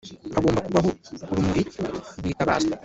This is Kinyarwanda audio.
Hagomba kubaho urumuri rwitabazwa